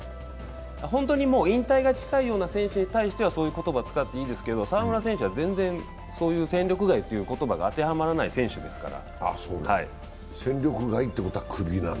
本当に引退が近いような選手に対してはそういう言葉を使っていいですけど、澤村選手は全然、戦力外という言葉が当てはまらない選手ですから。